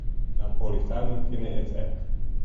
De Napolitanen kinne it ek.